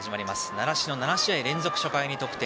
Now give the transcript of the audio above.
習志野７試合連続初回に得点。